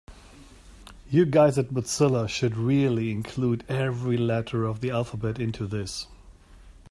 You guys at Mozilla should really include every letter of the alphabet into this.